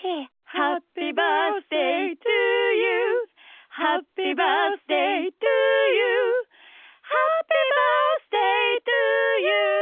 「ハッピバースデートゥーユー」「ハッピバースデートゥーユーハッピバースデートゥーユー」